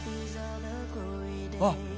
あっ。